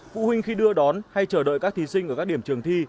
phụ huynh khi đưa đón hay chờ đợi các thí sinh ở các điểm trường thi